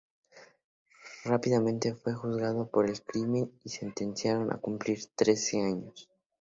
Rápidamente fue juzgado por el crimen y lo sentenciaron a cumplir trece años.